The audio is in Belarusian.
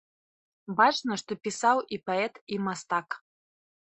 Бачна, што пісаў і паэт, і мастак.